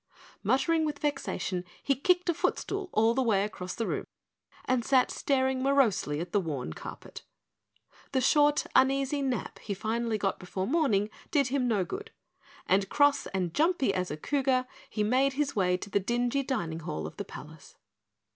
Muttering with vexation, he kicked a foot stool all the way across the room and sat staring morosely at the worn carpet. The short, uneasy nap he finally got before morning did him no good, and cross and jumpy as a cougar, he made his way to the dingy dining hall of the palace.